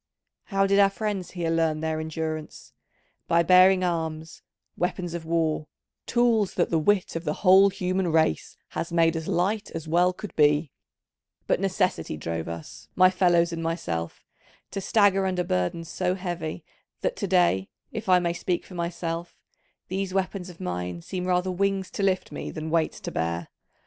How did our friends here learn their endurance? By bearing arms, weapons of war, tools that the wit of the whole human race has made as light as well could be: but Necessity drove us, my fellows and myself, to stagger under burdens so heavy that to day, if I may speak for myself, these weapons of mine seem rather wings to lift me than weights to bear.